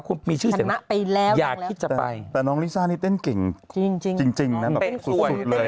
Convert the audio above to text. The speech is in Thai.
คุณมีชื่อเสียงรักไปแล้วอยากที่จะไปแต่น้องอิซ่านี่เต้นเก่งจริงนั่นแบบสุดเลย